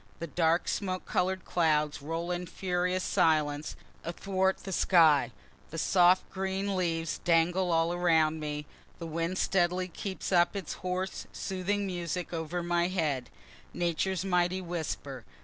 The dark smoke color'd clouds roll in furious silence athwart the sky; the soft green leaves dangle all around me; the wind steadily keeps up its hoarse, soothing music over my head Nature's mighty whisper.